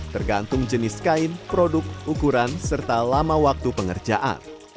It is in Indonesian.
tergantung jenis kain produk ukuran serta lama waktu pengerjaan